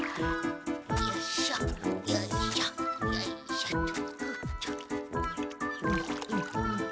よいしょよいしょよいしょっと。